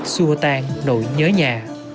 xua tan nỗi nhớ nhà